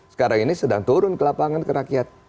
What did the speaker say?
sekarang ini sedang turun ke lapangan ke rakyat